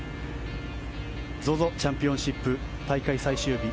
チャンピオンシップ大会最終日